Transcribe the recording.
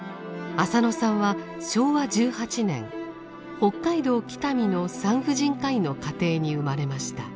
浅野さんは昭和１８年北海道北見の産婦人科医の家庭に生まれました。